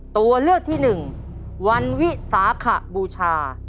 ตัวเลือกที่๑วันวิสาขบูชา